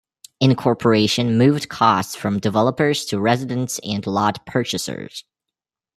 Incorporation moved costs from developers to residents and lot purchasers.